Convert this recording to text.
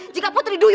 jika kamu sudah tidur